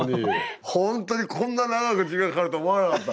ほんとにこんな長く時間かかるとは思わなかった。